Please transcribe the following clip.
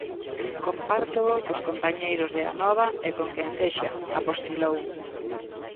"Compártoo cos compañeiros de Anova e con quen sexa", apostilou.